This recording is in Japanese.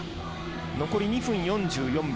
残り２分４４秒。